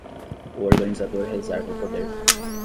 O organizador reserva o poder